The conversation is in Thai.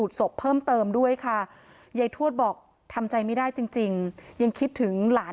นี่ค่ะคือที่นี้ตัวใยทวดที่ทำให้สามีเธอเสียชีวิตรึเปล่าแล้วก็ไปพบศพในคลองหลังบ้าน